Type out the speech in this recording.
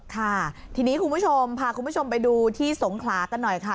ค่ะทีนี้คุณผู้ชมพาคุณผู้ชมไปดูที่สงขลากันหน่อยค่ะ